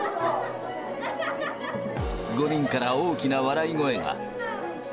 ５人から大きな笑い声が。